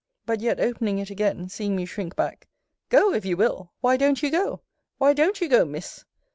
But yet opening it again, seeing me shrink back Go, if you will! Why don't you go? Why don't you go, Miss?